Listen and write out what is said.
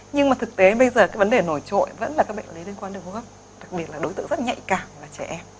nhưng mà thực tế bây giờ cái vấn đề nổi trội vẫn là các bệnh lý liên quan đường hô hấp đặc biệt là đối tượng rất nhạy cảm là trẻ em